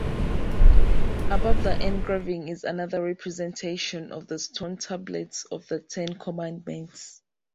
Above the engraving is another representation of the Stone Tablets of the Ten Commandments.